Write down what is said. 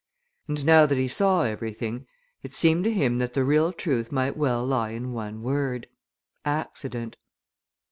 And now that he saw everything it seemed to him that the real truth might well lie in one word accident.